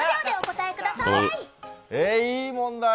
え、いい問題。